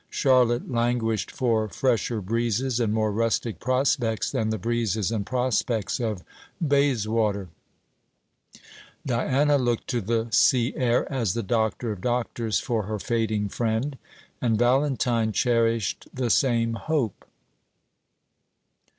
Charlotte languished for fresher breezes and more rustic prospects than the breezes and prospects of Bayswater; Diana looked to the sea air as the doctor of doctors for her fading friend; and Valentine cherished the same hope.